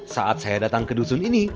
saat saya datang ke dusun ini